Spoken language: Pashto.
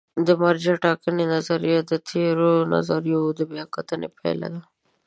د مرجع ټاکنې نظریه د تېرو نظریو د بیا کتنې پایله ده.